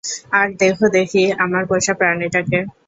আরে দেখো দেখি, আমার পোষাপ্রাণীটাকে।